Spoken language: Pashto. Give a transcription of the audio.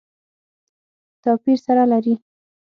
توپیر سره لري.